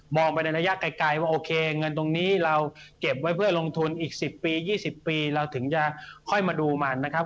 ไปในระยะไกลว่าโอเคเงินตรงนี้เราเก็บไว้เพื่อลงทุนอีก๑๐ปี๒๐ปีเราถึงจะค่อยมาดูมันนะครับ